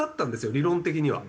理論的には。